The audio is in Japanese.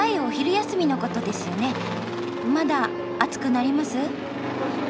まだ暑くなります？